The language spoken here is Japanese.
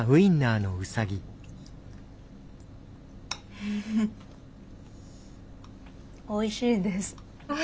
フフおいしいです。